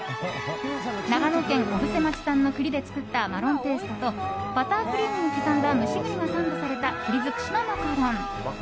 長野県小布施町産の栗で作ったマロンペーストとバタークリームに刻んだ蒸し栗がサンドされた栗尽くしのマカロン。